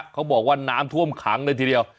เขาบอกว่าน้ำท่วมขังเลยทีเดียว